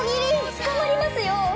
捕まりますよ。